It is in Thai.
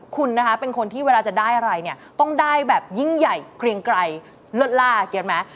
คุณนะคะเป็นคนที่เวลาจะได้อะไรเนี่ยต้องได้แบบยิ่งใหญ่เกรียงไกลเลิศล่าเขียนไหม